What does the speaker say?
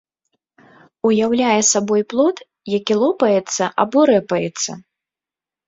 Уяўляе сабой плод, які лопаецца або рэпаецца.